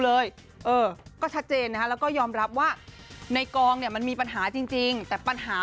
เลยเออก็ชัดเจนนะฮะแล้วก็ยอมรับว่าในกองเนี่ยมันมีปัญหาจริงแต่ปัญหา